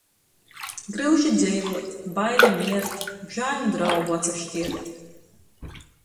Gryuši dzeivuot, baile miert, žāļ nu draugu atsaškiert.